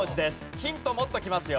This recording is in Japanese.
ヒントもっときますよ。